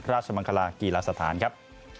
ราชมังคลากีฬาสถานครับ